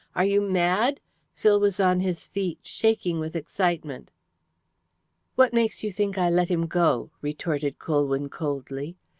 Are you mad?" Phil was on his feet, shaking with excitement. "What makes you think I let him go?" retorted Colwyn coldly.